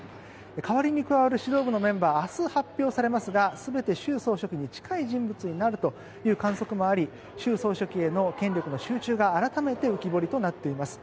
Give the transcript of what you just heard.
代わりに加わる指導部のメンバー明日、発表されますが全て習総書記に近い人物になるという観測もあり習総書記への権力の集中が改めて浮き彫りとなっています。